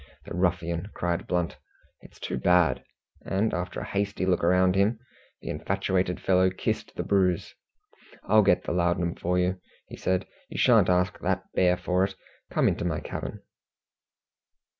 "The ruffian!" cried Blunt, "it's too bad." And after a hasty look around him, the infatuated fellow kissed the bruise. "I'll get the laudanum for you," he said. "You shan't ask that bear for it. Come into my cabin."